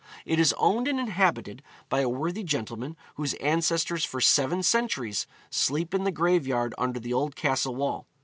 It is owned and inhabited by a worthy gentleman whose ancestors for seven centuries sleep in the graveyard under the old castle wall.